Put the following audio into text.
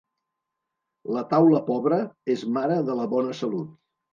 La taula pobra és mare de la bona salut.